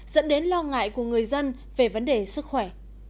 dẫn đến lo ngại của người dân về vấn đề sức khỏe